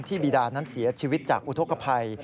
บีดานั้นเสียชีวิตจากอุทธกภัย